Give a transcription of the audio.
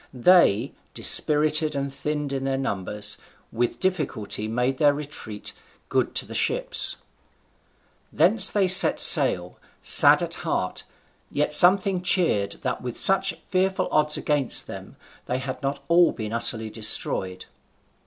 They, dispirited and thinned in their numbers, with difficulty made their retreat good to the ships. Thence they set sail, sad at heart, yet something cheered that with such fearful odds against them they had not all been utterly destroyed.